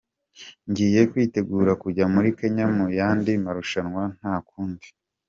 Ngiye kwitegura kujya muri Kenya mu yandi marushanwa nta kundi.